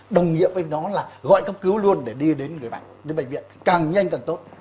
đồng nghĩa với nó là gọi cấp cứu luôn để đi đến người bệnh đến bệnh viện càng nhanh càng tốt